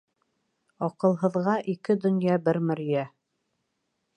Аҡылһыҙға ике донъя, бер мөрйә.